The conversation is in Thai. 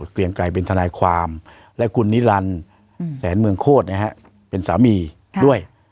เกรียงไกรเป็นทนายความและคุณนิรันดิ์แสนเมืองโคตรเป็นสามีด้วย